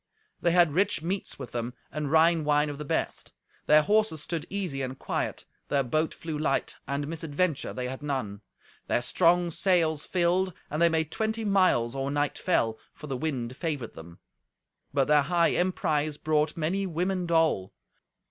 They had rich meats with them, and Rhine wine of the best. Their horses stood easy and quiet; their boat flew light, and misadventure they had none. Their strong sails filled, and they made twenty miles or night fell, for the wind favoured them. But their high emprise brought many women dole.